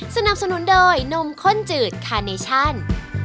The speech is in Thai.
สวัสดีครับเชฟ